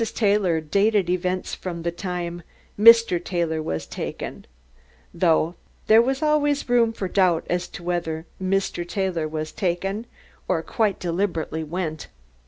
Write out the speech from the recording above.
Taylor dated events from the time "Mr. Taylor was taken," though there was always room for doubt as to whether Mr. Taylor was "taken" or quite deliberately went.